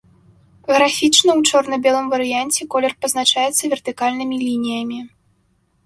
Графічна ў чорна-белым варыянце колер пазначаецца вертыкальнымі лініямі.